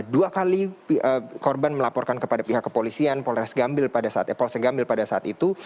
dua kali korban melaporkan kepada pihak kepolisian polres gambil pada saat itu